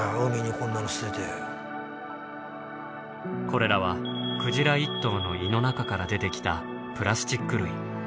これらはクジラ一頭の胃の中から出てきたプラスチック類。